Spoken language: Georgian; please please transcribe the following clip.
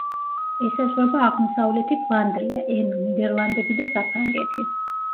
ესაზღვრება აღმოსავლეთი ფლანდრია, ენო, ნიდერლანდები და საფრანგეთი.